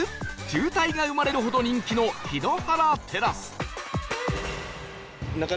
渋滞が生まれるほど人気のヒノハラテラス